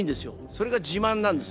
それが自慢なんですね。